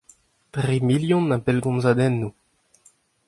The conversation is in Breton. Tri million a bellgomzadennoù.